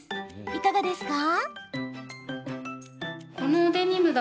いかがですか？